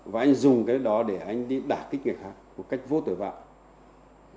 và anh dùng cái đó để anh đi đả kích người khác một cách vô tội vạng